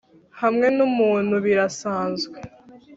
Hamwe numuntu birasanzwe